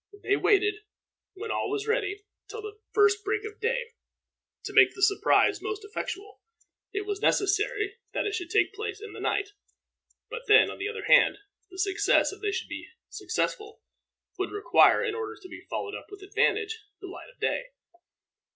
They waited, when all was ready, till the first break of day. To make the surprise most effectual, it was necessary that it should take place in the night; but then, on the other hand, the success, if they should be successful, would require, in order to be followed up with advantage, the light of day.